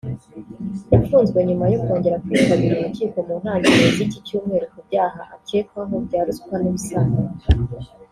yafunzwe nyuma yo kongera kwitaba urukiko mu ntangiriro z’iki cyumweru ku byaha akekwaho bya ruswa n’ubusambanyi